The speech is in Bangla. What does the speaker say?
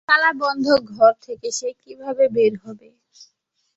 তালাবন্ধ ঘর থেকে সে কীভাবে বের হবে?